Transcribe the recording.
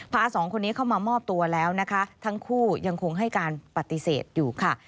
พาสองคนนี้เข้ามามอบตัวแล้วนะคะทั้งคู่ยังคงให้การปฏิเสธอยู่ค่ะ